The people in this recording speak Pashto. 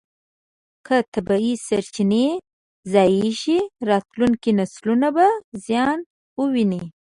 که طبیعي سرچینې ضایع شي، راتلونکي نسلونه به زیان وویني.